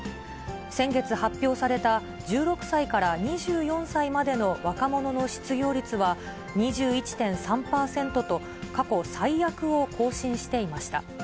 先月発表された１６歳から２４歳までの若者の失業率は、２１．３％と過去最悪を更新していました。